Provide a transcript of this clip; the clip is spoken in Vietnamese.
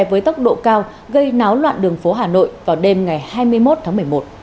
với tốc độ cao gây náo loạn đường phố hà nội vào đêm ngày hai mươi một tháng một mươi một